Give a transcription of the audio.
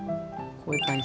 こういう感じ。